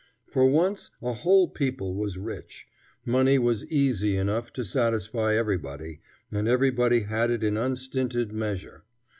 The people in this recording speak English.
For once a whole people was rich. Money was "easy" enough to satisfy everybody, and everybody had it in unstinted measure.